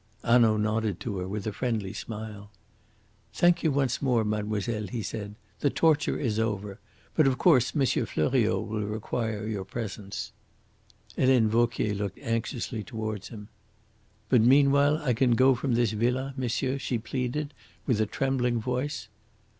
Hanaud nodded to her with a friendly smile. "Thank you once more, mademoiselle," he said. "The torture is over. But of course Monsieur Fleuriot will require your presence." Helene Vauquier looked anxiously towards him. "But meanwhile I can go from this villa, monsieur?" she pleaded, with a trembling voice.